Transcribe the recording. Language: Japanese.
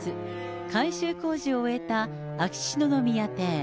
改修工事を終えた秋篠宮邸。